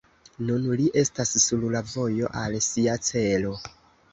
Nun li estas sur la vojo al sia celo.